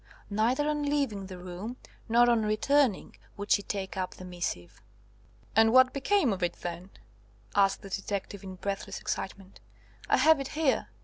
Neither on leaving the room nor on returning would she take up the missive." "And what became of it, then?" asked the detective in breathless excitement. "I have it here."